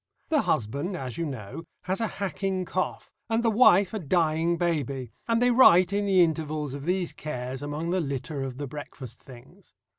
The husband, as you know, has a hacking cough, and the wife a dying baby, and they write in the intervals of these cares among the litter of the breakfast things.